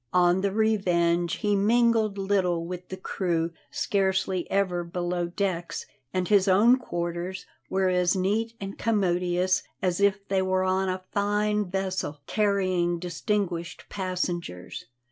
On the Revenge he mingled little with the crew, scarcely ever below decks, and his own quarters were as neat and commodious as if they were on a fine vessel carrying distinguished passengers.